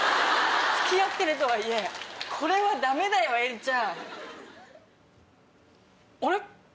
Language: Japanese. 付き合ってるとはいえこれはダメだよエリちゃん。あれ？